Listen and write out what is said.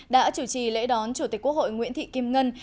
đã chủ trì lễ đón chủ tịch quốc hội nguyễn thị kim ngân